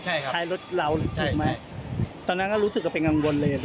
ใช่ครับท้ายรถเราถูกไหมตอนนั้นก็รู้สึกก็เป็นกังวลเลย